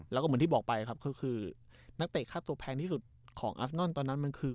แล้วก็เหมือนที่บอกไปครับก็คือนักเตะค่าตัวแพงที่สุดของอัฟนอนตอนนั้นมันคือ